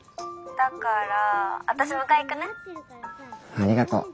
ありがとう。